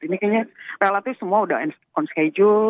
ini kayaknya relatif semua sudah on schedule